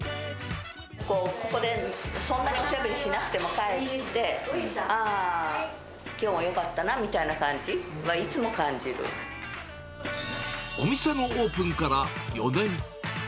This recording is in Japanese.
ここでそんなにおしゃべりしなくても、帰って、ああ、きょうもよかったなみたいな感じはいつお店のオープンから４年。